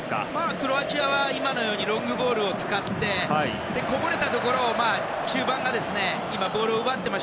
クロアチアは今のようにロングボールを使ってこぼれたところを中盤が。